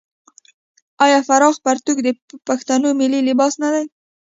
آیا پراخ پرتوګ د پښتنو ملي لباس نه دی؟